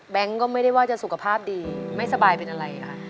ก็ไม่ได้ว่าจะสุขภาพดีไม่สบายเป็นอะไรค่ะ